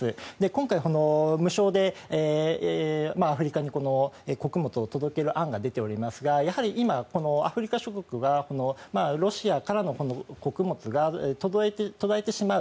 今回、無償でアフリカに穀物を届ける案が出ておりますがやはり今、アフリカ諸国がロシアからの穀物が途絶えてしまう